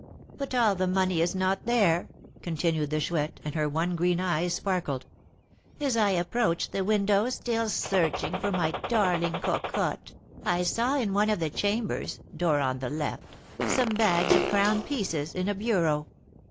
"But all the money is not there," continued the Chouette, and her one green eye sparkled. "As I approached the windows, still searching for my darling Cocotte, I saw in one of the chambers (door on the left) some bags of crown pieces, in a bureau.